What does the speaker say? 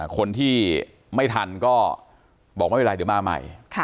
คนที่ไม่ทันก็บอกไม่ไว้อะไรเดี๋ยวมาใหม่